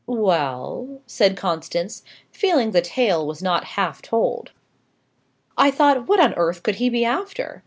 "Well," said Constance, feeling the tale was not half told. "I thought, what on earth could he be after?